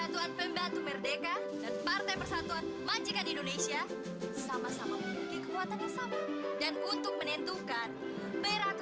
untuk itu kita tingkatkan lagi perjuangan kita setuju sekali bambu tetap bambu